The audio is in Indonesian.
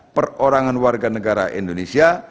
satu tiga perorangan warga negara indonesia